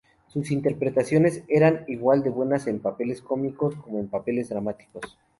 Sus interpretaciones eran igual de buenas en papeles cómicos que en papeles dramáticos.